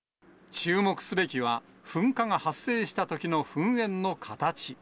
注目すべきは、噴火が発生したときの噴煙の形。